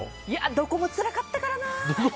どこもつらかったからな。